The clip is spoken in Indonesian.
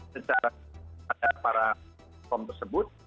secara pada para kom tersebut